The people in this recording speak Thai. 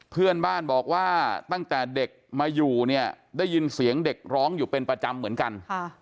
เพื่อนบ้านบอกว่าตั้งแต่เด็กมาอยู่เนี่ยได้ยินเสียงเด็กร้องอยู่เป็นประจำเหมือนกัน